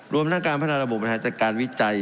รวมทั้งการพัฒนาระบบบริหารจัดการวิจัย